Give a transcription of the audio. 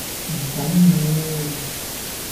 唔緊要